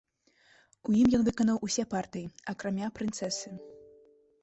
У ім ён выканаў усе партыі, акрамя прынцэсы.